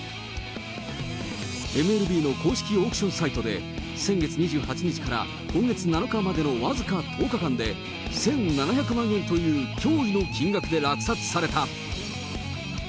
ＭＬＢの公式オークションサイトで、先月２８日から今月７日までの僅か１０日間で１７００万円という驚異の金額で落札された。